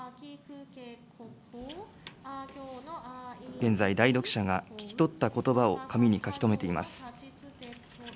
現在、代読者が聞き取ったことばを紙に書き留めています。